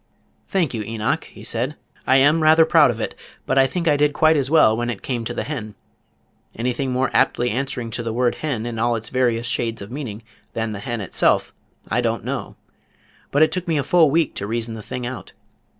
"Thank you, Enoch," he said. "I am rather proud of it, but I think I did quite as well when it came to the hen. Anything more aptly answering to the word hen in all its various shades of meaning than the hen itself I don't know, but it took me a full week to reason the thing out.